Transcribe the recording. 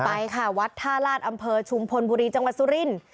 ไปค่ะวัดท่าลาศอำเภอชุมพลบุรีจังหวัดสุรินทร์